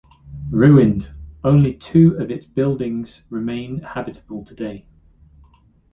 Ruined, only two of its buildings remain habitable today.